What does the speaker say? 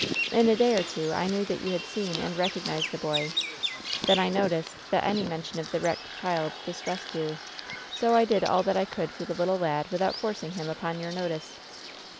In a day or two I knew that you had seen and recognized the boy. Then I noticed that any mention of the wrecked child distressed you. So I did all that I could for the little lad without forcing him upon your notice."